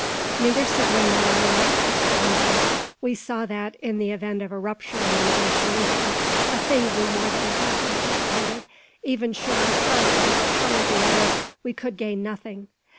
Neither Seguin nor I liked this proposal. We saw that, in the event of a rupture in the negotiation (a thing we more than half anticipated), even should our party overpower the other, we could gain nothing.